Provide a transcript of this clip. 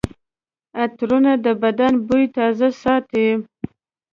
عطرونه د بدن بوی تازه ساتي.